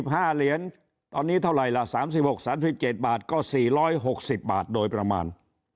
๑๕เหรียญตอนนี้เท่าไหร่ละ๓๖๓๗บาทก็๔๖๐บาทโดยประมาณ